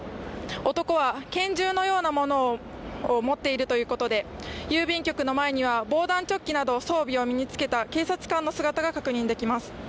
男は拳銃のようなものを持っているということで、郵便局の前には防弾チョッキなど装備を身に着けた警察官の姿が確認できます。